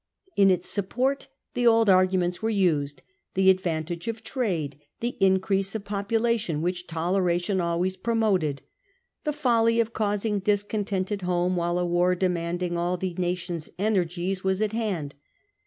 In its support the old arguments were used ; the advantage of trade, the increase of for S and CntS population which toleration always promoted, against it. fae folly of causing discontent at home while a war demanding all the nation's energies was on hand.